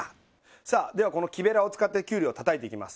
さあではこの木べらを使ってきゅうりを叩いていきます。